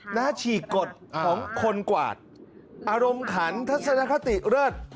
หน้าฉีกกดของคนกวาดอารมณ์ขันธรรมคติเริ่ด